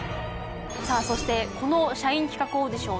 さあそしてこの社員企画オーディション